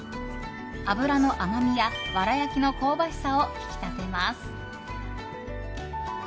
脂の甘みや、わら焼きの香ばしさを引き立てます。